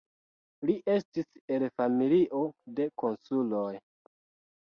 Li estis el familio de konsuloj.